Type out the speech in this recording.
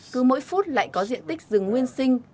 cứ mỗi phút lại có diện tích rừng nguyên sinh